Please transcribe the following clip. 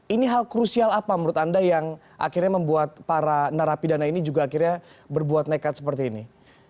ini hal krusial apa menurut anda yang akhirnya membuat para narapidana ini juga akhirnya berbuat nekat seperti ini